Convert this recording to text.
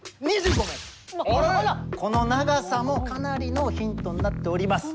この長さもかなりのヒントになっております。